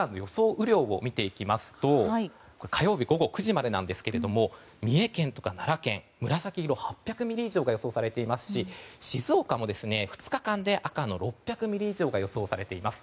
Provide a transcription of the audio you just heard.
雨量を見ていきますと火曜日午後９時まで紫色８００ミリ以上が予想されていますし静岡も２日間で赤の６００ミリ以上が予想されています。